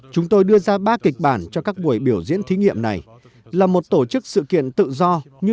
chúng tôi đưa ra ba kịch bản cho các buổi biểu diễn thí nghiệm này là một tổ chức sự kiện tự do như